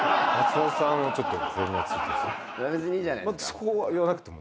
そこは言わなくても。